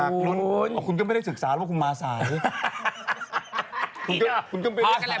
อะคุณก็ไม่ได้ศึกษาผมก็มาสาว